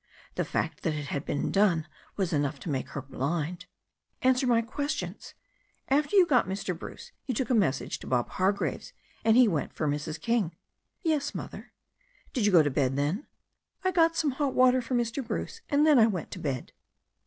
The fact that it had been done was enough to make her blind. "Answer my ques tions. After you got Mr. Bruce you took a message to Bob Hargraves, and he went for Mrs. King." Yes, Mother." 'Did you go back to bed then?" 'I got some hot water for Mr. Bruce, and then I went to bed."